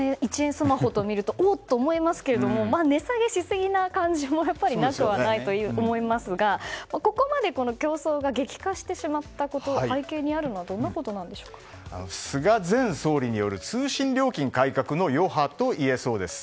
スマホを見るとお！と思いますけど値下げしすぎな感じもなくはないと思いますがここまで競争が激化してしまったこと背景にあるのは菅前総理による通信料金改革の余波と言えそうです。